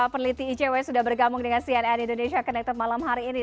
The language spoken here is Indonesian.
peneliti icw sudah bergabung dengan cnn indonesia connected malam hari ini